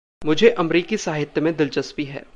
मुझे अम्रीकी साहित्य में दिलचस्पी है।